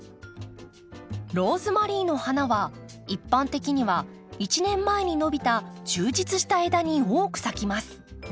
ローズマリーの花は一般的には１年前に伸びた充実した枝に多く咲きます。